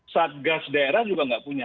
satgas daerah juga nggak punya